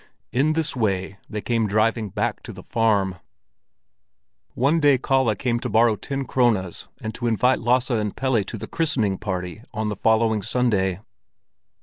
In this way they came driving back to the farm. One day Kalle came to borrow ten krones and to invite Lasse and Pelle to the christening party on the following Sunday.